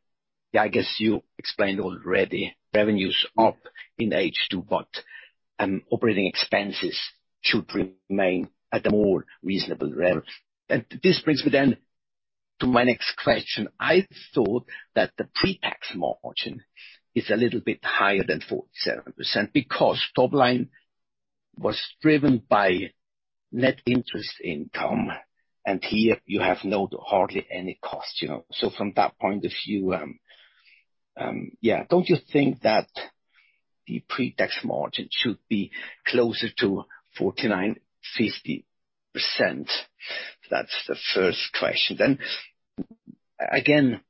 I guess you explained already, revenues up in H2, operating expenses should remain at a more reasonable rate. This brings me then to my next question. I thought that the pre-tax margin is a little bit higher than 47%, because top line was driven by net interest income, and here you have no, hardly any cost, you know. From that point of view, yeah, don't you think that the pre-tax margin should be closer to 49%-50%? That's the first question. Again,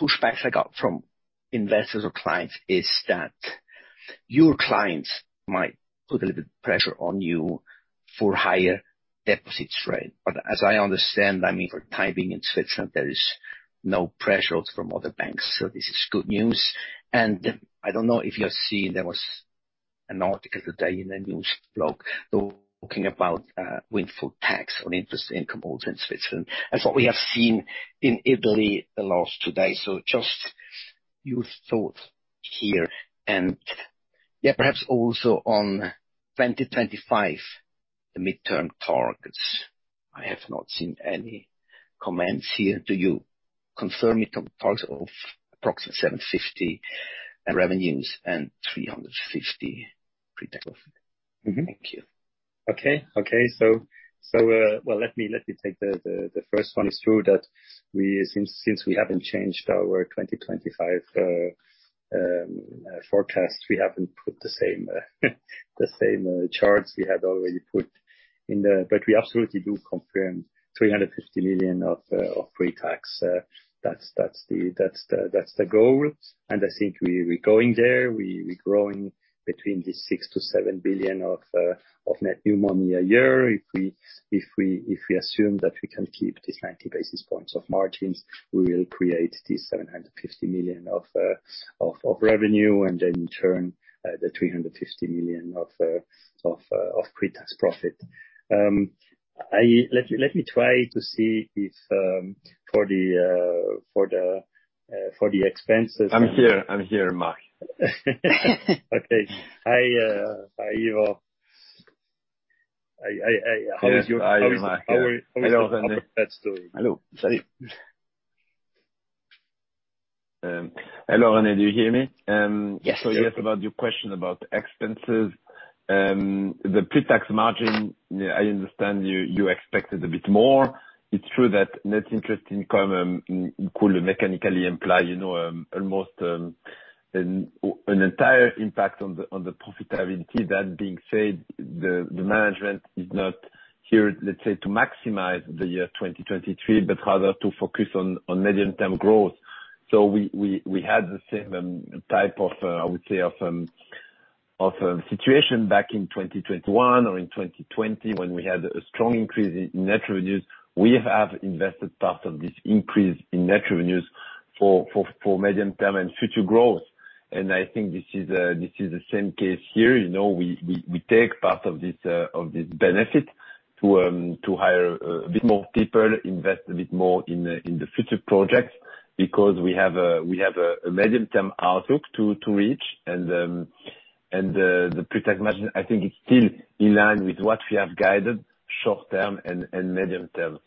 pushbacks I got from investors or clients is that your clients might put a little bit pressure on you for higher deposits, right? As I understand, I mean, for typing in Switzerland, there is no pressure from other banks, so this is good news. I don't know if you have seen, there was an article today in the news blog talking about windfall tax on interest income also in Switzerland. That's what we have seen in Italy the last two days. Just your thoughts here, and yeah, perhaps also on 2025, the midterm targets. I have not seen any comments here. Do you confirm the targets of approximate 750 revenues and 350 pre-tax? Thank you. Okay. Well, let me, let me take the, the, the first one. It's true that we, since, since we haven't changed our 2025 forecast, we haven't put the same, the same charts we had already put in the... We absolutely do confirm 350 million of pre-tax. That's, that's the, that's the, that's the goal, and I think we, we're going there. We, we're growing between 6 billion-7 billion of net new money a year. If we, if we, if we assume that we can keep this 90 basis points of margins, we will create this 750 million of, of, of revenue, and then in turn, the 350 million of, of, of pre-tax profit. I, let me, let me try to see if, for the, for the, for the expenses- I'm here. I'm here, Mark. Okay. I, I hear you all. how is your- Yes, I hear, Mark. How is, Hello, Rene. That's good. Hello. Salut. Hello, Rene, do you hear me? Yes. Yes, about your question about expenses. The pre-tax margin, yeah, I understand you, you expected a bit more. It's true that net interest income could mechanically imply, you know, almost an entire impact on the profitability. That being said, the management is not here, let's say, to maximize the year 2023, but rather to focus on medium-term growth. We had the same type of, I would say, of situation back in 2021 or in 2020, when we had a strong increase in net revenues. We have invested part of this increase in net revenues for medium-term and future growth. I think this is, this is the same case here, you know, we, we, we take part of this, of this benefit to hire a bit more people, invest a bit more in the, in the future projects, because we have a, we have a, a medium-term outlook to, to reach. The, the pre-tax margin, I think it's still in line with what we have guided short-term and, and medium-term.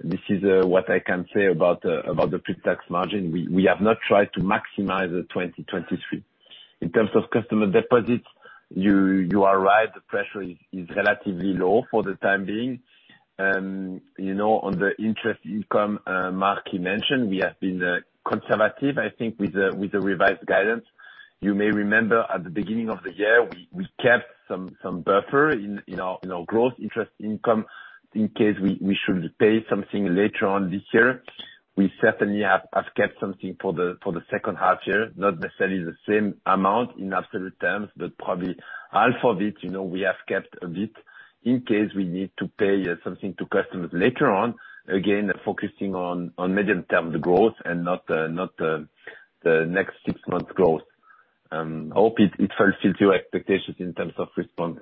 This is what I can say about the, about the pre-tax margin. We, we have not tried to maximize the 2023. In terms of customer deposits, you, you are right, the pressure is, is relatively low for the time being. You know, on the interest income, Mark, he mentioned, we have been conservative, I think, with the, with the revised guidance. You may remember, at the beginning of the year, we kept some buffer in our growth interest income, in case we should pay something later on this year. We certainly have kept something for the second half year, not necessarily the same amount in absolute terms, but probably half of it, you know, we have kept a bit, in case we need to pay something to customers later on. Again, focusing on medium-term the growth and not the next six months growth. I hope it fulfills your expectations in terms of response.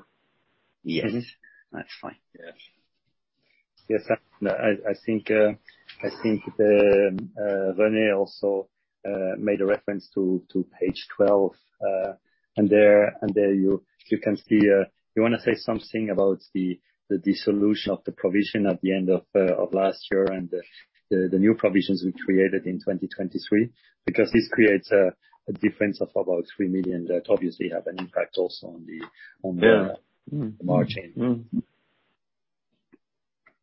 Yes. That's fine. Yes. Yes, I, I think, I think Rene also made a reference to, to page 12. There, and there, you, you can see, you wanna say something about the, the dissolution of the provision at the end of last year, and the, the, the new provisions we created in 2023? Because this creates a, a difference of about 3 million, that obviously have an impact also on the- Yeah.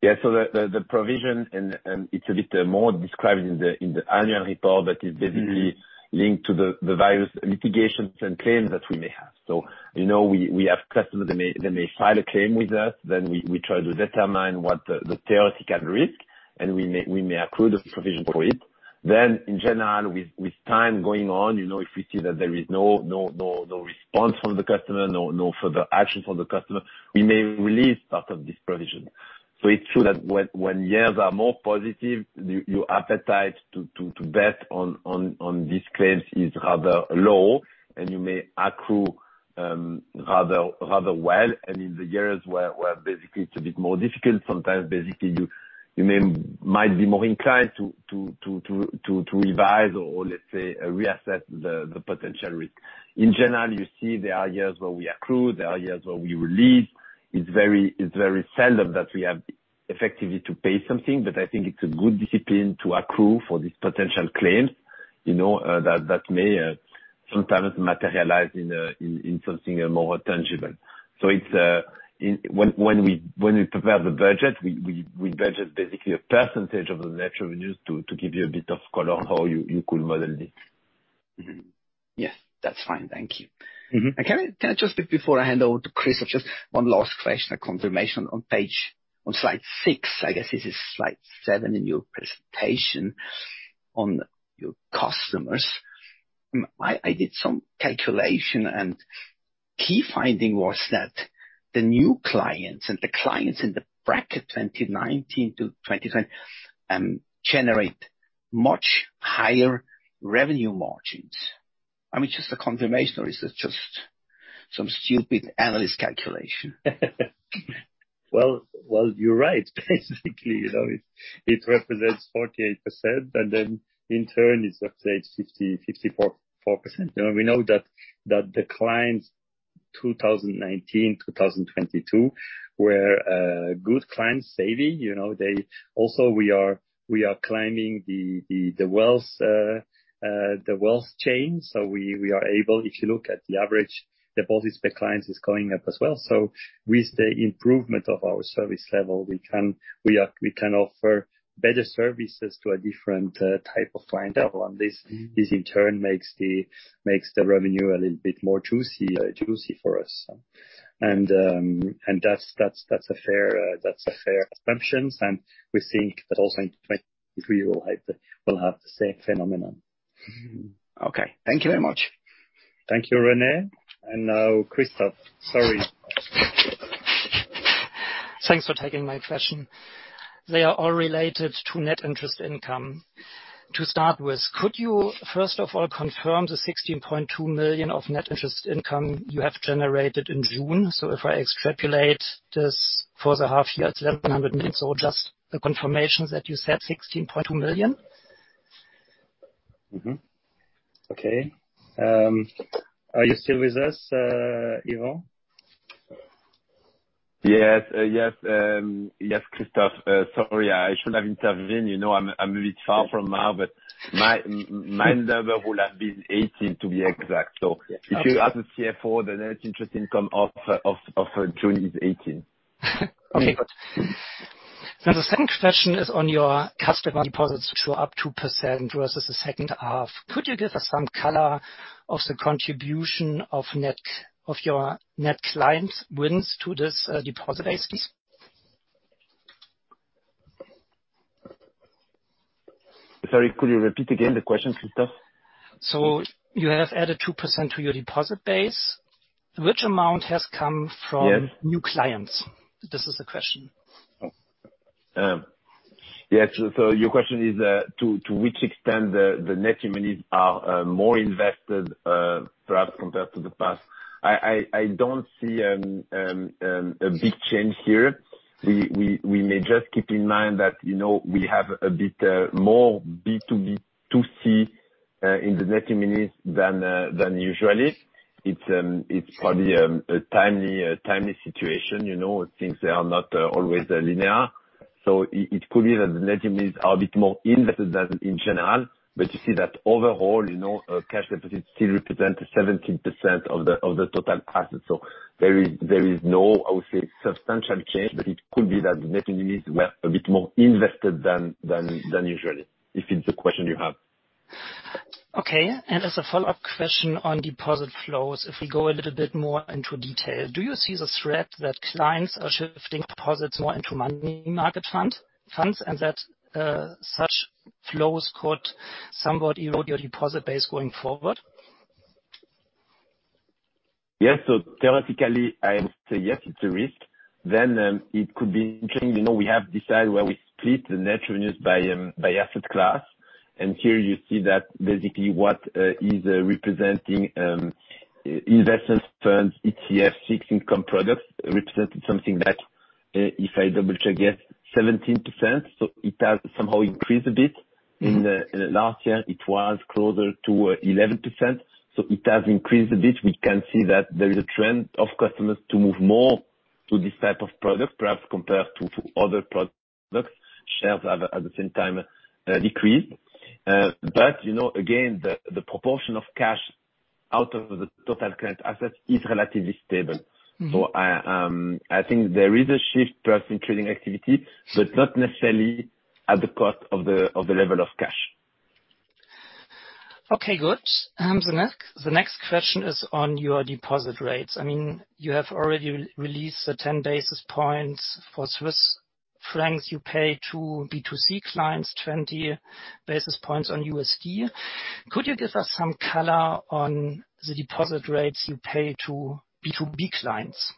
On the margin. Mm-hmm. Yeah, the, the, the provision. It's a bit more described in the, in the annual report. It's basically- Mm-hmm... linked to the various litigations and claims that we may have. You know, we have customers, they may file a claim with us, then we try to determine what the theoretical risk, and we may accrue the provision for it. In general, with time going on, You know, if we see that there is no, no, no, no response from the customer, no, no further action from the customer, we may release part of this provision. It's true that when, when years are more positive, your appetite to bet on these claims is rather low, and You may accrue, rather, rather well. In the years where basically it's a bit more difficult, sometimes basically, you may, might be more inclined to revise or let's say, reassess the potential risk. In general, you see there are years where we accrue, there are years where we release. It's very, it's very seldom that we have effectively to pay something, but I think it's a good discipline to accrue for these potential claims, you know, that may sometimes materialize in something more tangible. It's. When we prepare the budget, we budget basically a percentage of the net revenues to give you a bit of color on how you could model it. Mm-hmm. Yes, that's fine. Thank you. Mm-hmm. Can I, can I just before I hand over to Christophe, just one last question, a confirmation. On page, on slide 6, I guess this is slide 7 in your presentation, on your customers. I, I did some calculation, and key finding was that the new clients, and the clients in the bracket 2019 to 2010, generate much higher revenue margins. I mean, just a confirmation, or is it just some stupid analyst calculation? Well, well, you're right. Basically, you know, it, it represents 48%, and then in turn is up at 60%, 54%, 4%. You know, we know that, that the clients 2019, 2022, were good clients, saving, you know, they... Also, we are, we are climbing the, the, the wealth, the wealth chain, so we, we are able, if you look at the average, the deposit clients is going up as well. So with the improvement of our service level, we can- we are- we can offer better services to a different type of client. Yeah. And this- Mm-hmm This in turn, makes the revenue a little bit more juicy, juicy for us. And that's a fair, that's a fair assumption, and we think that also in 2023, we'll have the same phenomenon. Mm-hmm. Okay. Thank you very much. Thank you, Rene. Now, Christophe. Sorry. Thanks for taking my question. They are all related to net interest income. To start with, could you first of all confirm the 16.2 million of net interest income you have generated in June? If I extrapolate this for the half year, it's 1,100 million. Just a confirmation that you said 16.2 million. Mm-hmm. Okay. Are you still with us, Ivo? Yes, yes, yes, Christophe, sorry, I should have intervened. You know, I'm, I'm a bit far from now, but my number would have been 18, to be exact. If you ask the CFO, the net interest income of, of, of, June is 18. Okay. Now, the second question is on your customer deposits, to up 2% versus the second half. Could you give us some color of the contribution of net, of your net clients wins to this deposit base? Sorry, could you repeat again the question, Christophe? You have added 2% to your deposit base, which amount has come from? Yes. new clients? This is the question. Yeah, so your question is to which extent the net new monies are more invested perhaps compared to the past? I don't see a big change here. We may just keep in mind that, you know, we have a bit more B2B, B2C in the net new monies than usually. It's probably a timely situation, you know, things they are not always linear. It could be that the net new monies are a bit more invested than in general, but you see that overall, you know, cash deposits still represent 70% of the total assets. There is no, I would say, substantial change, but it could be that net new monies were a bit more invested than usually, if it's the question you have. Okay. As a follow-up question on deposit flows, if we go a little bit more into detail, do you see the threat that clients are shifting deposits more into money market fund, and that such flows could somewhat erode your deposit base going forward? Yes. Theoretically, I would say, yes, it's a risk. It could be interesting, you know, we have decided where we split the net new monies by asset class. Here you see that basically what is representing investment funds, ETF, fixed income products, represented something that, if I double check, yes, 17%. It has somehow increased a bit. Mm-hmm. In the, in the last year, it was closer to 11%, so it has increased a bit. We can see that there is a trend of customers to move more to this type of product, perhaps compared to, to other products. Shares have at the same time decreased. You know, again, the, the proportion of cash out of the total current assets is relatively stable. Mm-hmm. I think there is a shift perhaps in trading activity, but not necessarily at the cost of the level of cash. Okay, good. The next, the next question is on your deposit rates. I mean, you have already released the 10 basis points for Swiss francs you pay to B2C clients, 20 basis points on USD. Could you give us some color on the deposit rates you pay to B2B clients?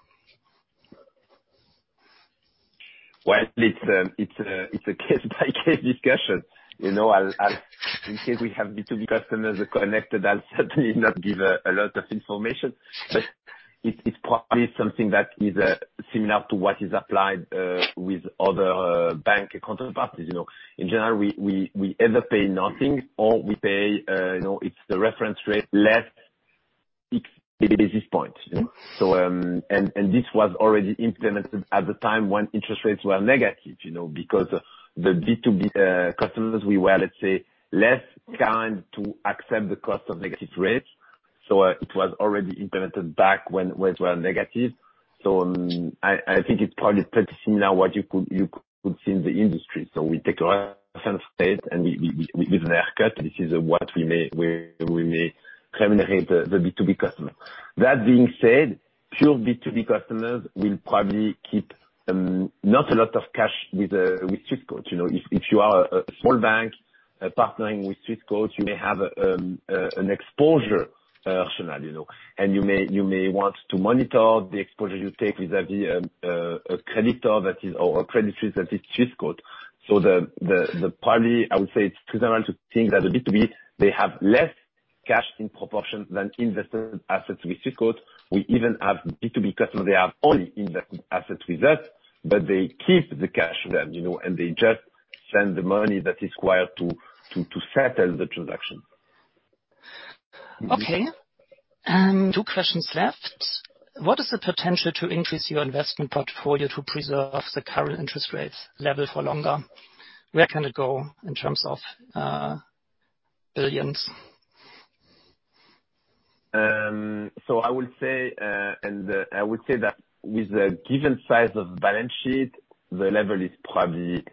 Well, it's a case by case discussion. You know, in case we have B2B customers connected, I'll certainly not give a lot of information. But it's probably something that is similar to what is applied with other bank counterparties. You know, in general, we either pay nothing, or we pay, You know, it's the reference rate, less six basis points. Mm-hmm. And, and this was already implemented at the time when interest rates were negative, you know, because the B2B customers, we were, let's say, less kind to accept the cost of negative rates, so, it was already implemented back when, when they were negative. I, I think it's probably pretty similar to what you could, you could see in the industry. We take our reference rate, and we, we, we, we give them a cut. This is what we may, we, we may remunerate the, the B2B customer. That being said, pure B2B customers will probably keep, not a lot of cash with, with Swissquote. You know, if, if you are a, a small bank, partnering with Swissquote, you may have an exposure, personal, you know, and you may, you may want to monitor the exposure you take with the a creditor that is, or, or credibility that is Swissquote. The, the, the probably, I would say it's similar to things that a B2B, they have less cash in proportion than invested assets with Swissquote. We even have B2B customers, they have only invested assets with us, but they keep the cash with them, you know, and they just send the money that is required to, to, to settle the transaction. Okay. Two questions left. What is the potential to increase your investment portfolio to preserve the current interest rate level for longer? Where can it go in terms of billions? I would say that with the given size of balance sheet, the level is probably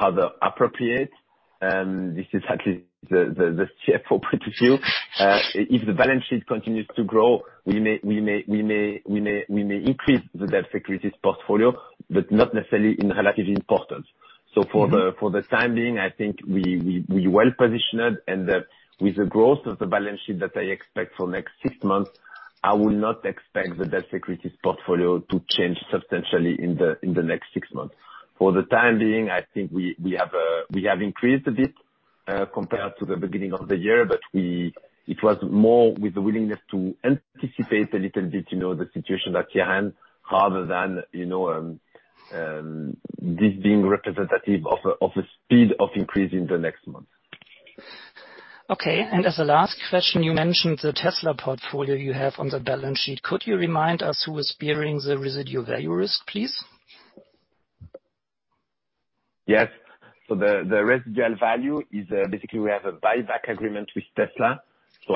rather appropriate, and this is at least the CFO point of view. If the balance sheet continues to grow, we may increase the debt securities portfolio, but not necessarily in relatively importance. Mm-hmm. For the time being, I think we well-positioned, and with the growth of the balance sheet that I expect for next six months. I would not expect the debt securities portfolio to change substantially in the next six months. For the time being, I think we have increased a bit compared to the beginning of the year, but it was more with the willingness to anticipate a little bit, you know, the situation at hand, rather than, you know, this being representative of a speed of increase in the next month. Okay. As a last question, you mentioned the Tesla portfolio you have on the balance sheet. Could you remind us who is bearing the residual value risk, please? Yes. The, the residual value is basically we have a buyback agreement with Tesla.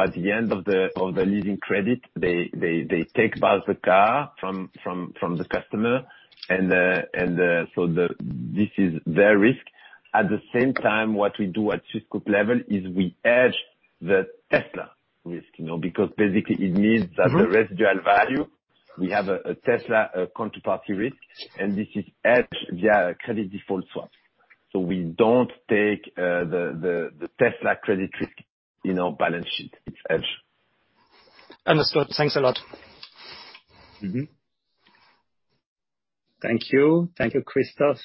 At the end of the, of the leasing credit, they, they, they take back the car from, from, from the customer, and, and, this is their risk. At the same time, what we do at Swiss group level is we hedge the Tesla risk, you know, because basically it means that- Mm-hmm the residual value, we have a Tesla counterparty risk, and this is hedged via credit default swap. We don't take the Tesla credit risk in our balance sheet. It's hedged. Understood. Thanks a lot. Mm-hmm. Thank you. Thank you, Christophe.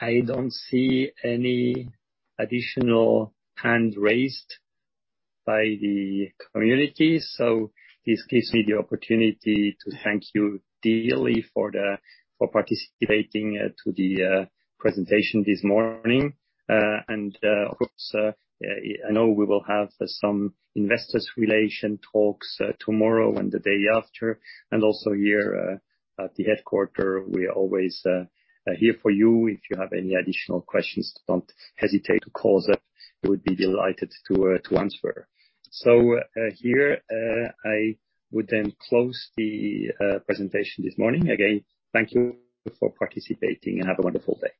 I don't see any additional hands raised by the community, so this gives me the opportunity to thank you dearly for the, for participating to the presentation this morning. Of course, I know we will have some investors relation talks tomorrow and the day after, and also here at the headquarter. We are always here for you. If you have any additional questions, don't hesitate to call us. We would be delighted to answer. Here, I would then close the presentation this morning. Again, thank you for participating, and have a wonderful day.